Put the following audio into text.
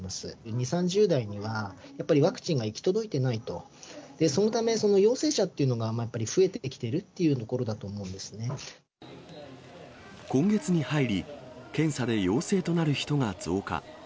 ２、３０代には、やっぱりワクチンが行き届いていないと、そのため、陽性者っていうのがやっぱり増えてきてるってところだと思うんで今月に入り、検査で陽性となる人が増加。